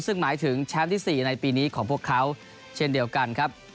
ซึ่งหมายถึงแชมป์ที่๔ในปีนี้ของพวกเขาเช่นเดียวกันครับ